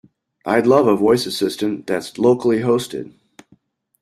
I'd love a voice assistant that's locally hosted.